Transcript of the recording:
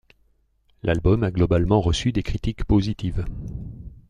L'album a globalement reçu des critiques positives.